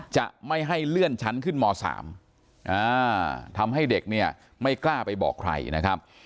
จะไม่ให้เลื่อนชั้นขึ้นม๓ทำให้เด็กเนี่ยไม่กล้าไปบอกใครนะครับ